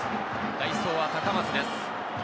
代走は高松です。